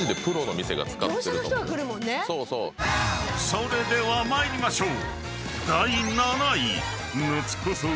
［それでは参りましょう！］